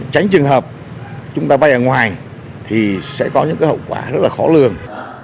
tránh trường hợp chúng ta vay ở ngoài thì sẽ có những cái hậu quả rất là khó lường